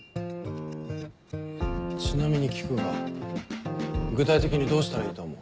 ちなみに聞くが具体的にどうしたらいいと思う？